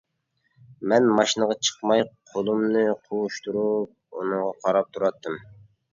مەن ماشىنىغا چىقماي قولۇمنى قوۋۇشتۇرۇپ ئۇنىڭغا قاراپ تۇراتتىم.